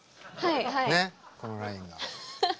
ねっこのラインが。